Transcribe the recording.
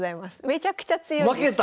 めちゃくちゃ強いです。